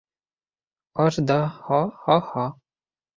Аждаһа-һа-һа!